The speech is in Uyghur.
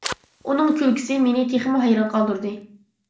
ئۇنىڭ كۈلكىسى مېنى تېخىمۇ ھەيران قالدۇردى.